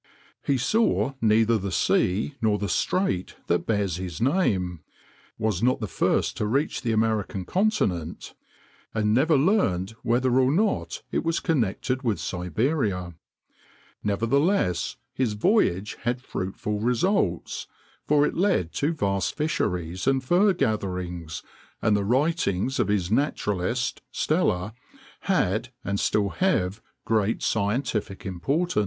He saw neither the sea nor the strait that bears his name, was not the first to reach the American continent, and never learned whether or not it was connected with Siberia. Nevertheless his voyage had fruitful results, for it led to vast fisheries and fur gatherings, and the writings of his naturalist, Steller, had and still have great scientific importance.